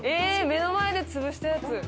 目の前で潰したやつ！